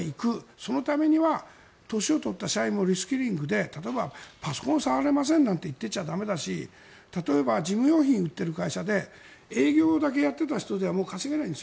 そのためには年を取った社員もリスキリングで例えばパソコンを触れませんなんて言ってちゃだめだし例えば事務用品を売ってる会社で営業だけやっていた人ではもう稼げないんです。